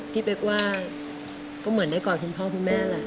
เป๊กว่าก็เหมือนได้กอดคุณพ่อคุณแม่แหละ